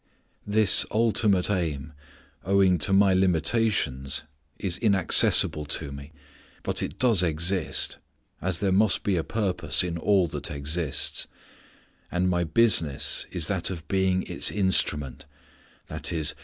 This ultimate aim, owing to my limitations, is inaccessible to me, but it does exist (as there must be a purpose in all that exists), and my business is that of being its instrument _i.e.